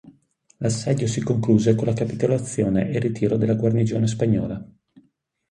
L'assedio si concluse con la capitolazione ed il ritiro della guarnigione spagnola.